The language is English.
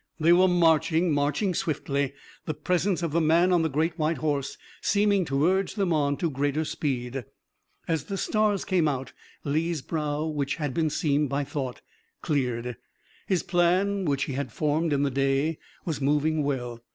They were marching, marching swiftly, the presence of the man on the great white horse seeming to urge them on to greater speed. As the stars came out Lee's brow, which had been seamed by thought, cleared. His plan which he had formed in the day was moving well.